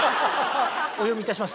お読みいたします。